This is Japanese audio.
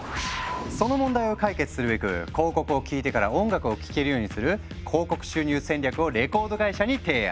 その問題を解決するべく広告を聞いてから音楽を聴けるようにする「広告収入戦略」をレコード会社に提案。